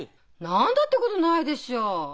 「何だ」ってことないでしょう！